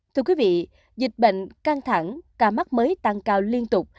thưa quý vị dịch bệnh căng thẳng ca mắc mới tăng cao liên tục